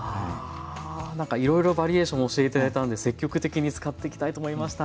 なんかいろいろバリエーション教えていただいたんで積極的に使っていきたいと思いました。